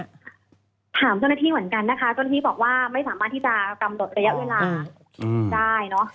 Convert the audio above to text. ถามเจ้าหน้าที่เหมือนกันนะคะเจ้าหน้าที่บอกว่าไม่สามารถที่จะกำหนดระยะเวลาได้เนอะ